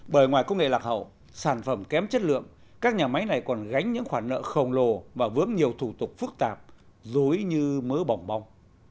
bởi ngoài công nghệ lạc hậu sản phẩm kém chất lượng các nhà máy này còn gánh những khoản nợ khổng lồ và vướng nhiều thủ tục phức tạp giống như mớ bỏng bông